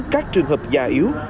các trường hợp già yếu